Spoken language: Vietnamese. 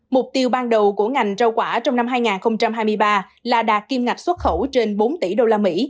mục tiêu ban đầu của ngành rau quả trong năm hai nghìn hai mươi ba là đạt kim ngạch xuất khẩu trên bốn tỷ usd